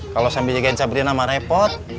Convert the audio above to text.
kalau sambil jagain sabrina mah repot